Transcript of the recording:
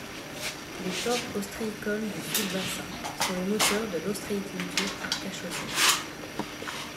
Les ports ostréicoles du Sud-Bassin sont le moteur de l'ostréiculture arcachonnaise.